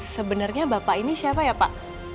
sebenarnya bapak ini siapa ya pak